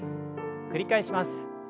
繰り返します。